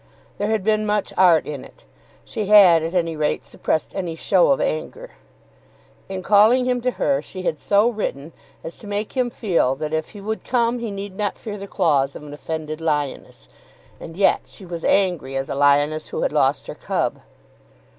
There had been much art in it. She had at any rate suppressed any show of anger. In calling him to her she had so written as to make him feel that if he would come he need not fear the claws of an offended lioness: and yet she was angry as a lioness who had lost her cub.